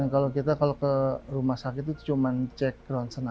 kalau kita ke rumah sakit itu cuma cek ronsen